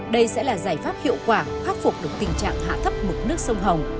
đây sẽ là giải pháp hiệu quả khắc phục được tình trạng hạ thấp mực nước sông hồng